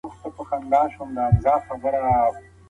د ټولنیز خوندیتوب پروګرامونه تر کار لاندي وو.